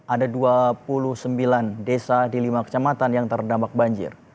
ada dua puluh sembilan desa di lima kecamatan yang terdampak banjir